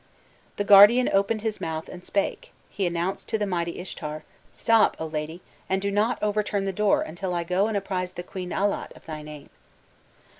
The guardian opened his mouth and spake, he announced to the mighty Ishtar: 'Stop, O lady, and do not overturn the door until I go and apprise the Queen Allat of thy name.